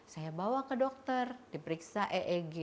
saya bawa ke dokter diperiksa eeg